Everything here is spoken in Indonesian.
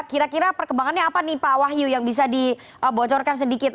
kira kira perkembangannya apa nih pak wahyu yang bisa dibocorkan sedikit